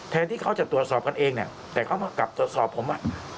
แทนที่เขาจะตรวจสอบกันเองแต่เขาก็กลับตรวจสอบผม